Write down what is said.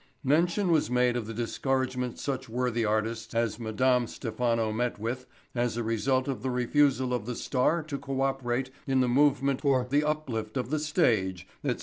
Mention was made of the discouragement such worthy artists as Madame Stephano met with as a result of the refusal of the Star to co operate in the movement for the uplift of the stage, etc.